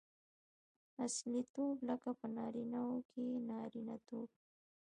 اصیلتوب؛ لکه په نارينه وو کښي نارينه توب.